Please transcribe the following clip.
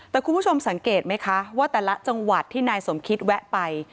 แต่คุณผู้ชมสังเกตไหมคะว่าแต่ละจังหวัดที่นายสมคิดแวะไป